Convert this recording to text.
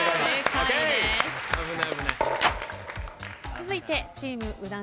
続いてチーム右團